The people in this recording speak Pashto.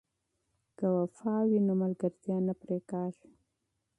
که وفا وي نو دوستي نه پرې کیږي.